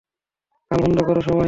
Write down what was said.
কান বন্ধ করো সবাই।